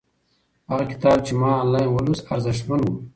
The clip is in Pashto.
هغه کتاب چې ما آنلاین ولوست ارزښتمن و.